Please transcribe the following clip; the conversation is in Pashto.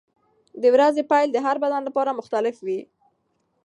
د ورځې پیل د هر بدن لپاره مختلف وي.